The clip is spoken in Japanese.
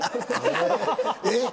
えっ？